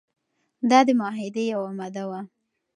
دا د معاهدې یوه ماده وه.